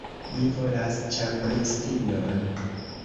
Mi volas ĉambristinon.